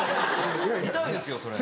見たいですよそれ。